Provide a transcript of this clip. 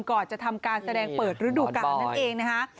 ก่อนจะทำการแสดงเปิดฤดูกาลนั่นเองนะคะ